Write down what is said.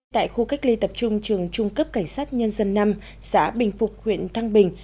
tại khu cách ly tập trung trường trung cấp cảnh sát nhân dân năm xã bình phục huyện thăng bình